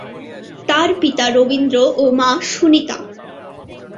তার পিতা রবীন্দ্র ও মা সুনিতা।